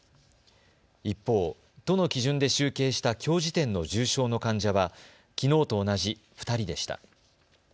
一方、都の基準で集計したきょう時点の重症の患者はきのうと同じ２人でした。